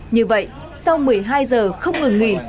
như vậy sau một mươi hai giờ không ngừng nghỉ